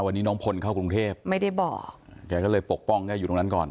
วันนี้น้องพลเข้ากรุงเทพไม่ได้บอกแกก็เลยปกป้องแกอยู่ตรงนั้นก่อน